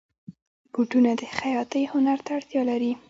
بوټونه د خیاطۍ هنر ته اړتیا لري.